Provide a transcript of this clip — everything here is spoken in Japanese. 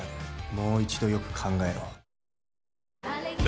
もう一度よく考えろ。